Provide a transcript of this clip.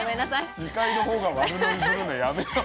司会のほうが悪ノリするのやめよう。